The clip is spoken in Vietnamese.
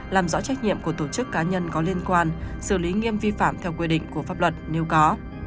làm rõ trách nhiệm của tổ chức cá nhân có liên quan xử lý nghiêm vi phạm theo quy định của pháp luật nếu có